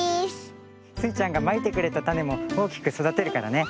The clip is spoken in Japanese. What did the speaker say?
スイちゃんがまいてくれたたねもおおきくそだてるからね。